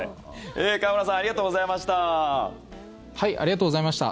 河村さんありがとうございました。